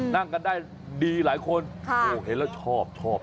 นั่งกันได้ดีหลายคนเห็นแล้วชอบชอบ